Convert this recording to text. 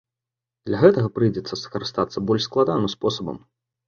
Для гэтага прыйдзецца скарыстацца больш складаным спосабам.